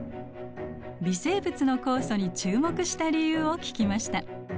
微生物の酵素に注目した理由を聞きました。